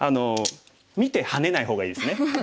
見てハネない方がいいですね。